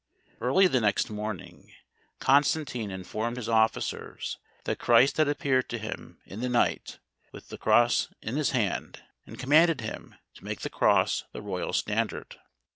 Early the next morning, Constantine informed his officers that Christ had appeared to him in the night, with the cross in his hand, and commanded him to make the cross the royal standard.